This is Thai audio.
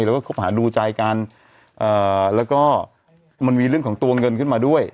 แล้วก็คบหาดูใจกันแล้วก็มันมีเรื่องของตัวเงินขึ้นมาด้วย